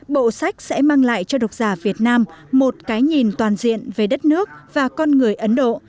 bộ sách sẽ mang lại cho độc giả việt nam một cái nhìn toàn diện về đất nước và con người ấn độ